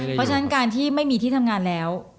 เพราะฉะนั้นการที่ไม่มีที่ทำงานแล้ว